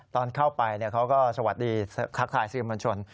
ตอนเข้าไปเขาก็สวัสดีคักทายสิมบัญชน